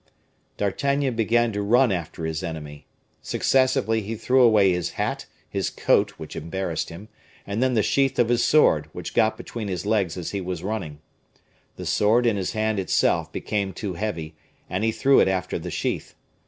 D'Artagnan began to run after his enemy. Successively he threw away his hat, his coat, which embarrassed him, and then the sheath of his sword, which got between his legs as he was running. The sword in his hand itself became too heavy, and he threw it after the sheath.